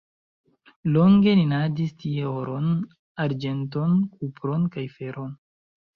Longe minadis tie oron, arĝenton, kupron kaj feron.